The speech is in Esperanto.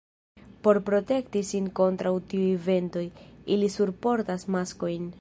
Por protekti sin kontraŭ tiuj ventoj, ili surportas maskojn.